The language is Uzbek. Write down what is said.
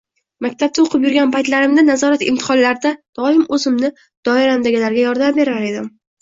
Maktabda o‘qib yurgan paytlarimda, nazorat imtihonlarda doim o‘zimni doiramdagilarga yordam berar edim.